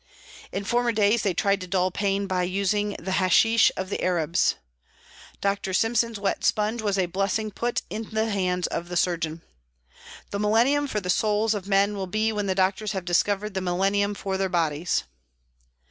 In former days they tried to dull pain by using the hasheesh of the Arabs. Dr. Simpson's wet sponge was a blessing put into the hands of the surgeon. The millennium for the souls of men will be when the doctors have discovered the millennium for their bodies.